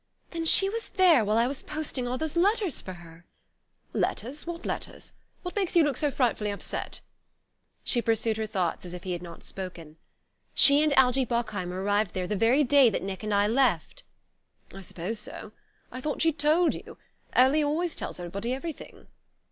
"Then she was there while I was posting all those letters for her ?" "Letters what letters? What makes you look so frightfully upset?" She pursued her thought as if he had not spoken. "She and Algie Bockheimer arrived there the very day that Nick and I left?" "I suppose so. I thought she'd told you. Ellie always tells everybody everything."